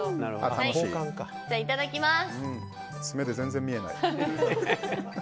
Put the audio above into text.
いただきます！